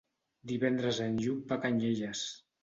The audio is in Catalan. Divendres en Lluc va a Canyelles.